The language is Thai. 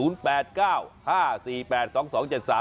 และ๐๙๐๙๐๕๘๕๕๒จ้า